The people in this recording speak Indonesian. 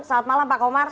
selamat malam pak komar